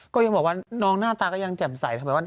ก็ยังบอกว่าน้องหน้าตาก็ยังแจ่มใสทำไมว่า